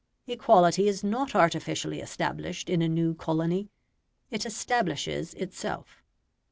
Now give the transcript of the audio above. Equality is not artificially established in a new colony; it establishes itself.